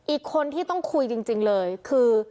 อีกคนที่ต้องคุยจริงเลยคือ